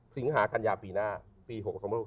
สิงหากัญญาปีหน้าปี๖๒๖๖